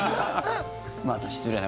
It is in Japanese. また失礼な。